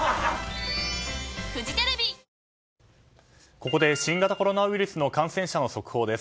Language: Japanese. ここで、新型コロナウイルスの感染者の速報です。